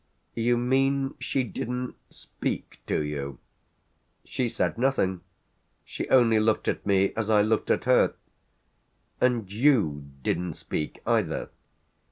"You mean she didn't speak to you?" "She said nothing. She only looked at me as I looked at her." "And you didn't speak either?"